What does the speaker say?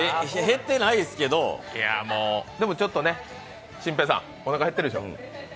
減ってないですけどでもちょっとね、新平さんおなか減ってるでしょ？